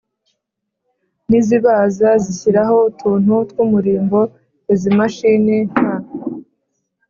n’izibaza zishyiraho utuntu tw’umurimbo. Izi mashini nta